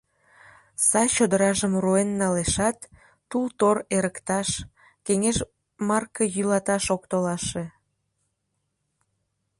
Сай чодыражым руэн налешат, тул-тор эрыкташ, кеҥеж марке йӱлаташ ок толаше.